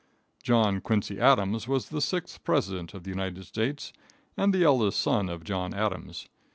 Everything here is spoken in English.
John Quincy Adams was the sixth president of the United States and the eldest son of John Adams.